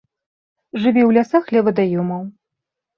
Жыве ў лясах, ля вадаёмаў.